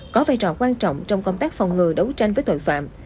có vai trò quan trọng trong công tác phòng ngừa đấu tranh với tội phạm